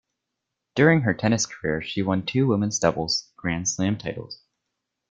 During her tennis career, she won two women's doubles Grand Slam titles.